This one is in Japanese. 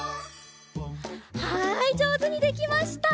はいじょうずにできました！